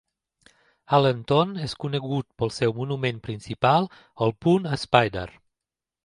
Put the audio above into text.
Allenton és conegut pel seu monument principal, el pont Spider.